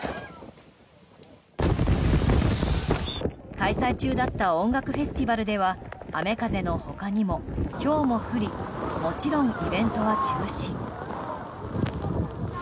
開催中だった音楽フェスティバルでは雨風の他にも、ひょうも降りもちろんイベントは中止。